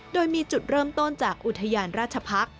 โดยมีจุดเริ่มต้นจากอุทยานราชพักษ์